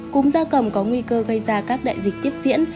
cúm gia cầm có nguy cơ gây ra các đại dịch tiếp diễn